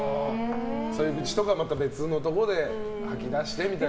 愚痴とかはまた別のところで吐き出してみたいな？